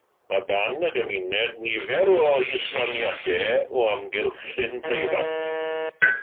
Mae gan y gymuned nifer o israniadau o amgylch llyn preifat.